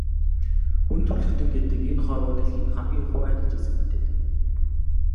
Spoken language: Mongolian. Хүн төрөлхтөн гэдэг энэ хорвоо дэлхийн хамгийн хувиа хичээсэн амьтад.